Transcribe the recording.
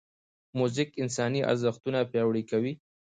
موزیک انساني ارزښتونه پیاوړي کوي.